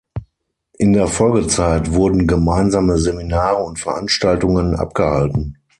In der Folgezeit wurden gemeinsame Seminare und Veranstaltungen abgehalten.